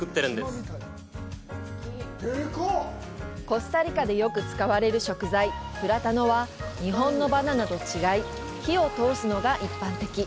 コスタリカでよく使われる食材プラタノは日本のバナナと違い火を通すのが一般的。